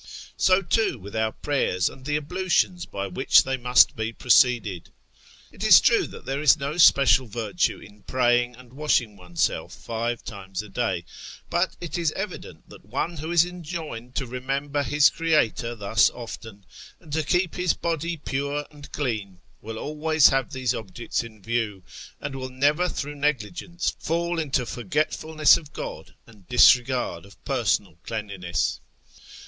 So, too, with our prayers, and the ablutions by which they must be proceeded. It is true tliat there is no special virtue in praying and washing oneself five times a day ; but it is evident that one who is enjoined to remember his Creator thus often, and to keep his body pure and clean, will always have these objects in view, and will never through negligence fall into forgetfulness of God and disregard of personal cleanliness.